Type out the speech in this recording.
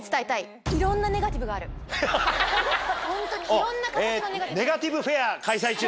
いろんな形のネガティブ。